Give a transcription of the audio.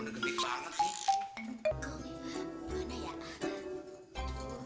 nenek nenek mau ngapain